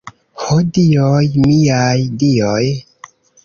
Ho dioj, miaj dioj!